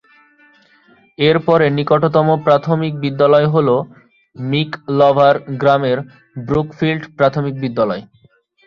এর পরে নিকটতম প্রাথমিক বিদ্যালয় হল মিকলভার গ্রামের ব্রুকফিল্ড প্রাথমিক বিদ্যালয়।